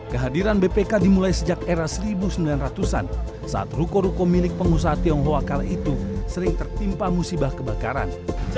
kehadiran bpk dimulai sejak era seribu sembilan ratus an saat ruko ruko milik pengusaha tionghoa kala itu sering tertimpa musibah kebakaran